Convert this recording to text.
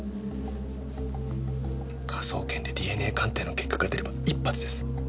科捜研でＤＮＡ鑑定の結果が出れば一発です。